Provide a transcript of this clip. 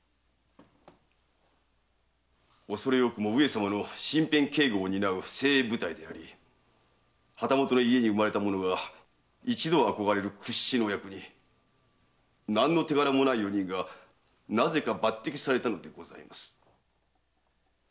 おそれ多くも上様の身辺警護を担う精鋭部隊であり旗本の家に生まれた者が一度は憧れる屈指のお役に何の手柄もない四人がなぜか抜擢されたのでございます。